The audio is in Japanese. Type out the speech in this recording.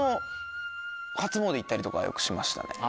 行ったりとかはよくしましたね。